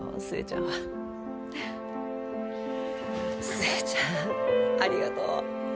寿恵ちゃんありがとう！